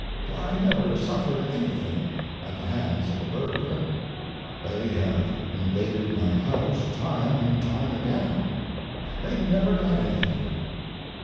I never suffered anything at the hands of a burglar. They have invaded my house time and time again. They never got anything.